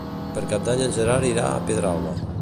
Per Cap d'Any en Gerard irà a Pedralba.